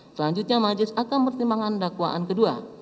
selanjutnya majlis akan pertimbangan dakwaan kedua